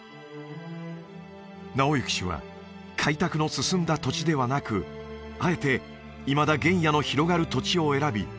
直行氏は開拓の進んだ土地ではなくあえていまだ原野の広がる土地を選び